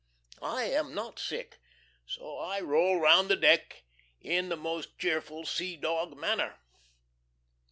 I am not sick; so I roll round the deck in the most cheerful sea dog manner.